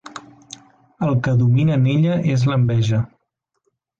El que domina en ella és l'enveja.